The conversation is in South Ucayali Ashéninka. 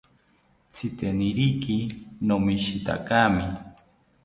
Tziteniriki nomishitakimi